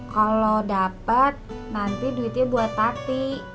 kalo dapat nanti duitnya buat tati